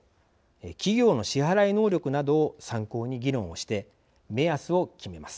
企業の支払い能力などを参考に議論をして目安を決めます。